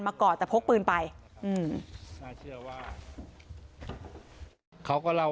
ไม่ตั้งใจครับ